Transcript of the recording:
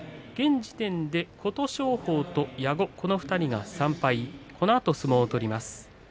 現時点で琴勝峰と矢後２人が３敗このあと相撲を取ります。